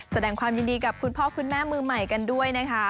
แสดงความยินดีกับคุณพ่อคุณแม่มือใหม่กันด้วยนะคะ